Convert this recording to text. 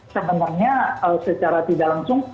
sebenarnya secara tidak langsung